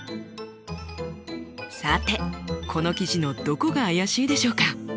さてこの記事のどこが怪しいでしょうか？